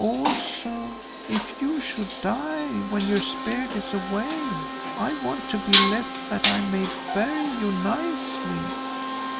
Also if you should die when your spirit is away, I want to be left that I may bury you nicely."